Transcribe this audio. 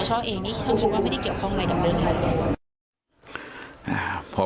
ช่องเอกสิทธิพิือไม่ได้เกี่ยวข้องอะไรกับเรื่องนี้เลย